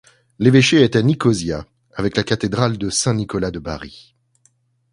L'évêché est à Nicosia avec la cathédrale de saint Nicolas de Bari.